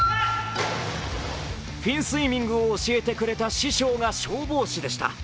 フィンスイミングを教えてくれた師匠が消防士でした。